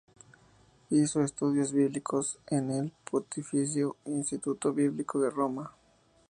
Hizo estudios bíblicos en el Pontificio Instituto Bíblico de Roma.